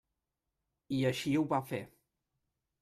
I així ho va fer.